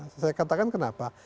saya katakan kenapa